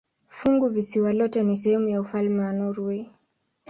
Funguvisiwa lote ni sehemu ya ufalme wa Norwei.